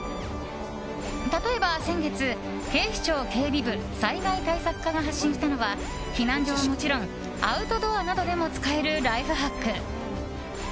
例えば、先月警視庁警備部災害対策課が発信したのは避難所はもちろんアウトドアなどでも使えるライフハック。